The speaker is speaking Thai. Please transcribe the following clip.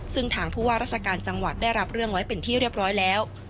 ซึ่งทางผู้ว่าราชการจังหวัดได้รับเรื่องไว้เป็นที่เรียบร้อยแล้ว